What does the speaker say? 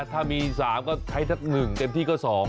ถ้ามี๓ก็ใช้สัก๑เต็มที่ก็๒